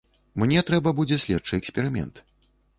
Мне трэба будзе следчы эксперымент.